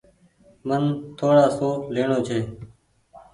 مني ٿوڙآ سون ليڻو ڇي۔